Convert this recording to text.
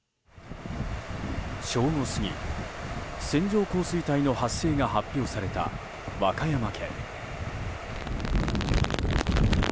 正午過ぎ、線状降水帯の発生が発表された和歌山県。